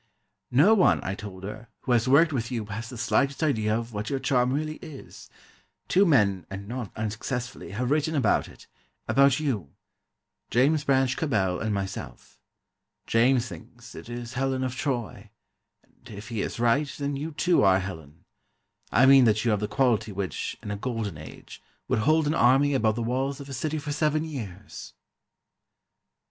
"No one," I told her, "who has worked with you, has the slightest idea of what your charm really is. Two men, and not unsuccessfully, have written about it, about you ... James Branch Cabell and myself. James thinks it is Helen of Troy; and if he is right, then you, too, are Helen. I mean that you have the quality which, in a Golden Age, would hold an army about the walls of a city for seven years."